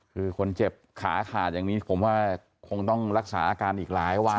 คือคนเจ็บขาขาดอย่างนี้ผมว่าคงต้องรักษาอาการอีกหลายวัน